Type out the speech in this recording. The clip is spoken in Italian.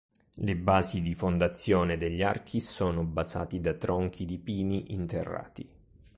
Le basi di fondazione degli archi sono basati da tronchi di pini interrati.